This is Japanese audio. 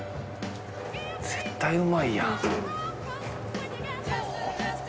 絶対うまいやん。